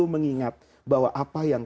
mengingatkan apa yang